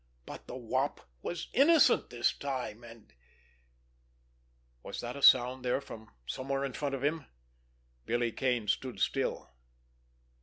But the Wop was innocent this time and—— Was that a sound there from somewhere in front of him? Billy Kane stood still.